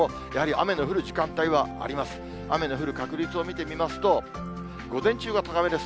雨の降る確率を見てみますと、午前中は高めです。